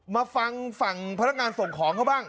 มาฟังฝั่งพนักงานส่งของเขาบ้าง